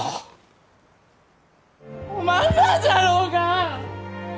おまんらじゃろうが！